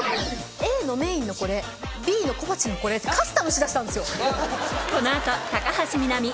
「ＡのメインのこれＢの小鉢のこれ」ってカスタムしだしたんですよ。